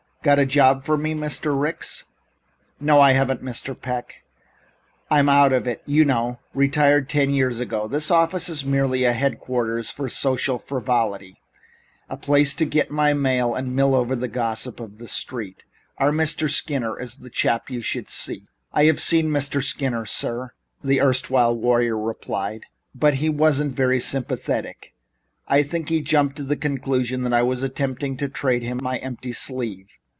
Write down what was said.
Got a job for me, Mr. Ricks?" "No, I haven't, Mr. Peck. I'm out of it, you know. Retired ten years ago. This office is merely a headquarters for social frivolity a place to get my mail and mill over the gossip of the street. Our Mr. Skinner is the chap you should see." "I have seen Mr. Skinner, sir," the erstwhile warrior replied, "but he wasn't very sympathetic. I think he jumped to the conclusion that I was attempting to trade him my empty sleeve.